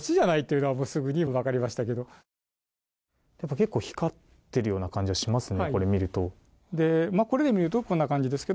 結構光っているような感じがしますね。